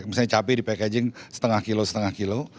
misalnya cabai dipackaging setengah kilo setengah kilo